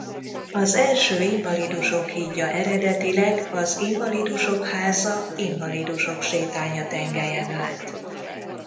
Az első Invalidusok hídja eredetileg az Invalidusok háza-Invalidusok sétánya tengelyen állt.